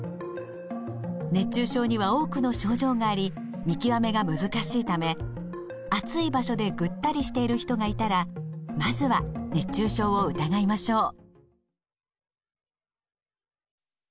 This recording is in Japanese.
熱中症には多くの症状があり見極めが難しいため暑い場所でぐったりしている人がいたらまずは熱中症を疑いましょう。